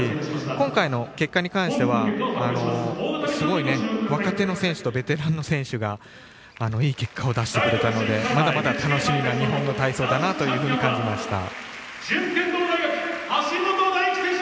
今回の結果に関してはすごい若手の選手とベテランの選手がいい結果を出してくれたのでまだまだ楽しみな日本の体操だなと感じました。